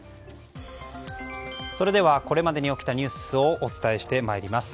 それではこれまでに起きたニュースをお伝えしてまいります。